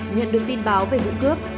nhận được tin báo về vụ cướp